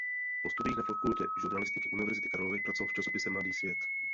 Po studiích na Fakultě žurnalistiky Univerzity Karlovy pracoval v časopise Mladý svět.